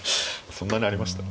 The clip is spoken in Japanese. そんなにありました？